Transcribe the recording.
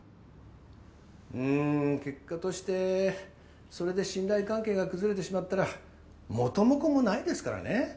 ん結果としてそれで信頼関係が崩れてしまったら元も子もないですからね。